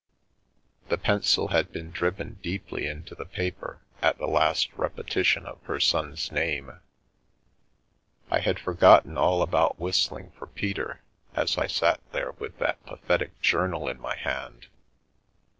The pencil had been driven deeply into the paper at the last repetition of her son's name. I had forgotten all about whistling for Peter, as I sat there with that pa thetic journal in my hand.